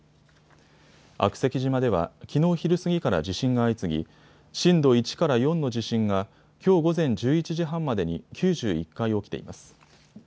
悪石島ではきのう昼過ぎから地震が相次ぎ、震度１から４の地震がきょう午前１１時半までに９１回起きています。